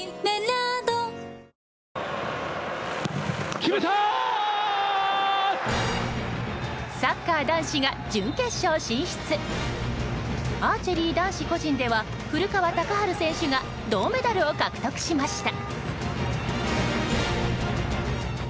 アーチェリー男子個人では古川高晴選手が銅メダルを獲得しました。